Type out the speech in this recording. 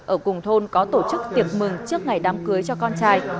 ở cùng thôn có tổ chức tiệc mừng trước ngày đám cưới cho con trai